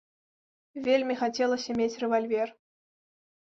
Вельмі хацелася мець рэвальвер.